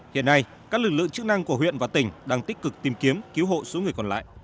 hiện nay các lực lượng chức năng của huyện và tỉnh đang tích cực tìm kiếm cứu hộ số người còn lại